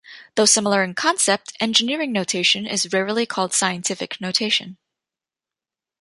Though similar in concept, engineering notation is rarely called scientific notation.